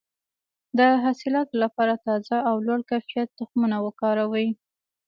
د حاصلاتو لپاره تازه او لوړ کیفیت تخمونه وکاروئ.